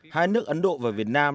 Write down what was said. hai nước ấn độ và việt nam